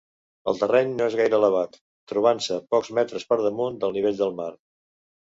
El terreny no és gaire elevat, trobant-se pocs metres per damunt del nivell del mar.